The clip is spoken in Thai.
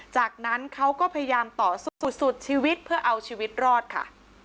จากนั้นเขาก็พยายามต่อสู้สุดชีวิตเพื่อเอาชีวิตรอดค่ะ